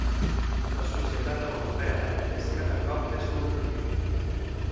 La societat europea és cada cop més multilingüe.